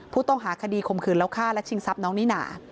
ผู้ต้องหาคดีข่มขืนแล้วฆ่าและชิงทรัพย์น้องนิน่า